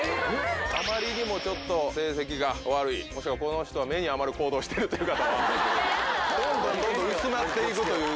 あまりにもちょっと成績が悪いもしくはこの人は目に余る行動をしているという方はどんどんどんどん薄まって行くという。